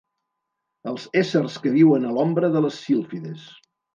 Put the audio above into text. Els éssers que viuen a l'ombra de les sílfides.